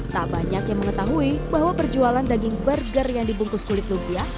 tak banyak yang mengetahui bahwa perjualan daging burger yang dibungkus kulit lumpia